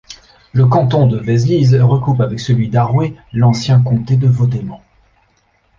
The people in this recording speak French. Le canton de Vézelise recoupe avec celui d'Haroué l'ancien comté de Vaudémont.